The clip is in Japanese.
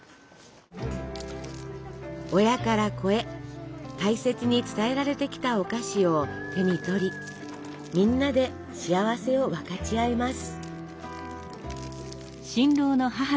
親から子へ大切に伝えられてきたお菓子を手に取りみんなで幸せを分かち合います。